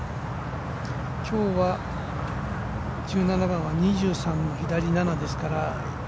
今日は１７番は２３の左７ですから。